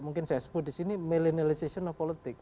mungkin saya sebut disini millennialization of politics